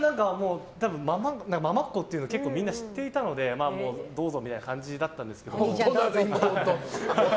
たぶん、ママっ子っていうのを結構みんな知っていたのでもう、どうぞみたいな感じだったんですけど。